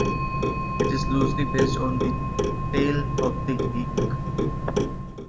It is loosely based on "The Tale of the Heike".